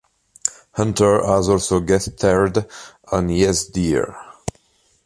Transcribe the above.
Hunter has also guest starred on "Yes, Dear".